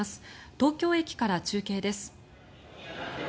東京駅から中継です。